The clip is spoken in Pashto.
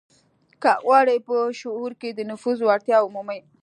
که غواړئ په لاشعور کې د نفوذ وړتيا ومومئ.